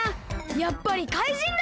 やっぱりかいじんだ！